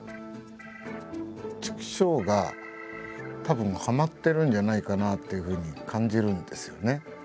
「チクショー！！」がたぶんはまってるんじゃないかなっていうふうに感じるんですよね。